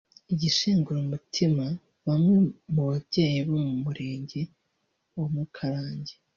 Igishengura umutima bamwe mu babyeyi bo mu urenge wa Mukarange